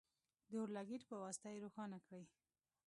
د اور لګیت په واسطه یې روښانه کړئ.